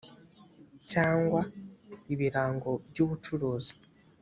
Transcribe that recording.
cyangwa ibirango by ubucuruzi